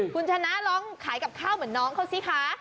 คุณชนะลองขายกับข้าวเหมือนน้องเขาสิคะ